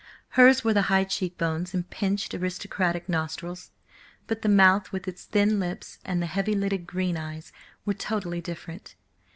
Hers were the high cheek bones and pinched, aristocratic nostrils, but the mouth with its thin lips, and the heavy lidded green eyes, were totally different.